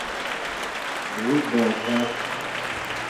بݸت باٹھݳ